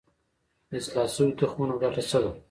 د اصلاح شویو تخمونو ګټه څه ده؟